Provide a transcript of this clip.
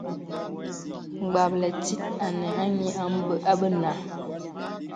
Gbə̀gbə̀lə̀ tìt ànə a nyì abə nà.